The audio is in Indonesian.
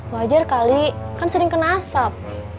wajar kali kan sering kena asap